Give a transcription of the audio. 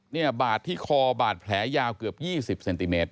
บาดที่คอบาดแผลยาวเกือบ๒๐เซนติเมตร